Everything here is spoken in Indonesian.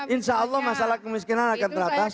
insya allah masalah kemiskinan akan teratas